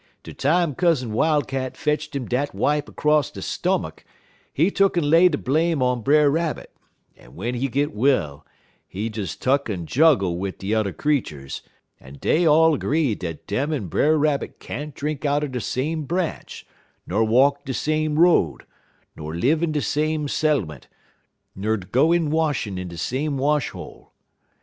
Der time Cousin Wildcat fetch'd 'im dat wipe 'cross de stomach, he tuck'n lay de blame on Brer Rabbit, en w'en he git well, he des tuck'n juggle wid de yuther creeturs, en dey all 'gree dat dem en Brer Rabbit can't drink out er de same branch, ner walk de same road, ner live in de same settlement, ner go in washin' in de same wash hole.